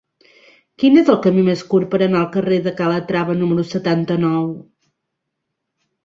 Quin és el camí més curt per anar al carrer de Calatrava número setanta-nou?